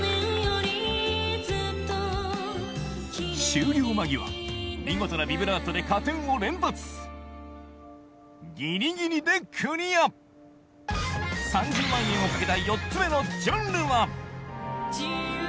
終了間際見事なビブラートで加点を連発ぎりぎりでクリア３０万円を懸けた４つ目のジャンルは